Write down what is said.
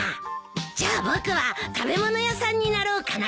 じゃあ僕は食べ物屋さんになろうかな。